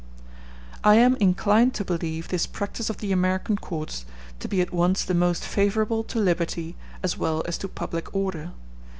I am inclined to believe this practice of the American courts to be at once the most favorable to liberty as well as to public order.